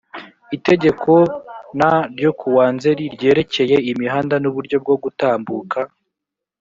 itegeko n ryo kuwa nzeri ryerekeye imihanda n uburyo bwo gutambuka